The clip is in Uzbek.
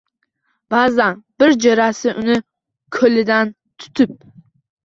Ba'zan bir jo'rasi uni ko'lidan tutib